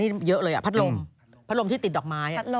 นี่เยอะเลยพัดลมที่ติดดอกไม้